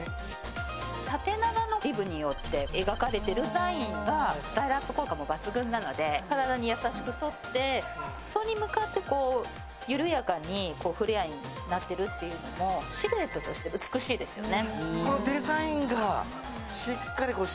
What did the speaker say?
縦長のリブによって描かれているラインがスタイルアップ効果も抜群なので、体に優しく沿って、裾に向かって緩やかにフレアになっているというのもシルエットとして美しいですよね。